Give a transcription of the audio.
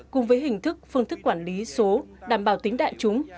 cùng với hình thức phương thức quản lý số đảm bảo tính đại chúng